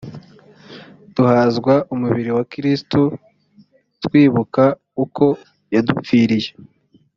duhazwa umubiri wa kristu twibuka uko yadupfiriye